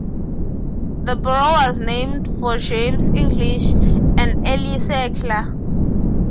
The borough was named for James English, an early settler.